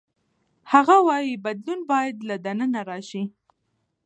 هغه وايي بدلون باید له دننه راشي.